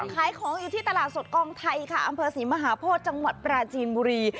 ขายของอยู่ที่ตลาดสดกองไทยค่ะอำเภอศรีมหาโพธิจังหวัดปราจีนบุรี